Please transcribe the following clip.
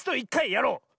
やろう！